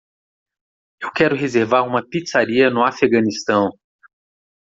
Eu quero reservar uma pizzaria no Afeganistão.